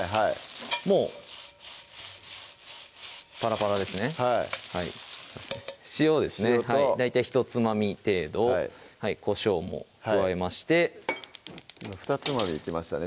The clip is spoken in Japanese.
もうパラパラですねはい塩ですね大体ひとつまみ程度こしょうも加えまして今ふたつまみいきましたね